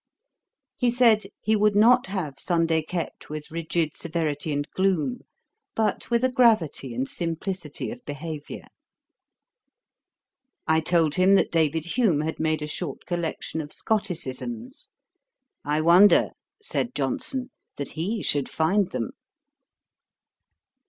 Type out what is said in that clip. He said, he would not have Sunday kept with rigid severity and gloom, but with a gravity and simplicity of behaviour. I told him that David Hume had made a short collection of Scotticisms. 'I wonder, (said Johnson,) that he should find them.'